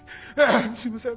すいません。